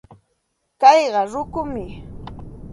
Kayqa rukum.